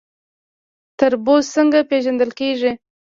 تربوز څنګه پیژندل کیږي؟